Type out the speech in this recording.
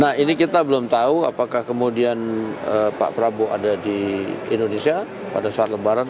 nah ini kita belum tahu apakah kemudian pak prabowo ada di indonesia pada saat lebaran